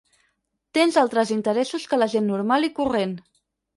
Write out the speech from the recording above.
Tens altres interessos que la gent normal i corrent.